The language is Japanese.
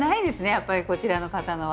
やっぱりこちらの方のは。